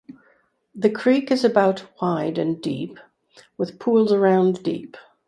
The creek is about wide and deep with pools around deep.